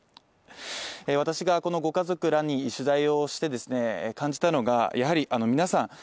私がこのご家族らに取材をしてですね感じたのが、やはりあの皆さん